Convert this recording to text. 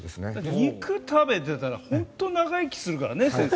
肉食べてたら本当に長生きするからね。